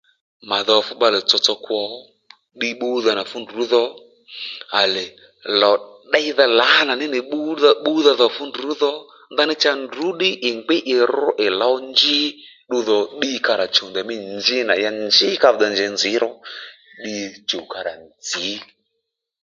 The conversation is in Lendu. Mà dho fú bbalè tsotso kwo ddiy pbúdha nà fúndrú dho à lè lò ddéydha lǎnà ní nì bbúdha dho fúndrú dho ndaní cha ndrú ddí à ngbí ì ru ì lǒw njì ddu dho ddiy karà chùw ndèymí njí nà ya njí kà vi dey njě nzǐ ro ddiy chùw karà nzǐ